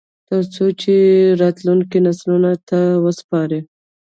ترڅو یې راتلونکو نسلونو ته وسپاري